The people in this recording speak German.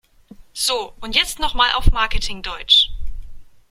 So, und jetzt noch mal auf Marketing-Deutsch!